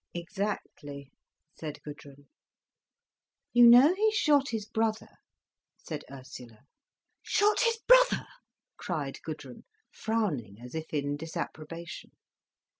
"Exactly," said Gudrun. "You know he shot his brother?" said Ursula. "Shot his brother?" cried Gudrun, frowning as if in disapprobation.